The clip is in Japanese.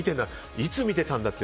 いつ見てたんだって。